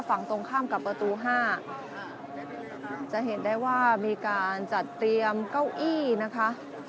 ฝั่งตรงข้ามกับประตูห้าจะเห็นได้ว่ามีการจัดเตรียมเก้าอี้นะคะ